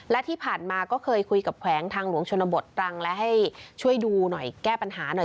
และที่ผ่านมาก็เคยคุยกับแขวงทางหลวงชนบทตรังและให้ช่วยดูหน่อยแก้ปัญหาหน่อย